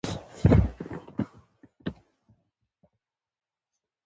مکتوب را واستاوه.